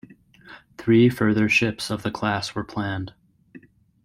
Three further ships of the class were planned.